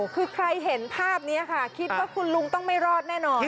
คือใครเห็นภาพนี้ค่ะคิดว่าคุณลุงต้องไม่รอดแน่นอน